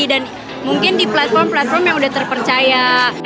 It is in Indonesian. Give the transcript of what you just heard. dan mungkin di platform platform yang udah terpercaya